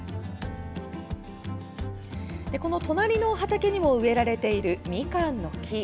隣の畑にも植えられているみかんの木。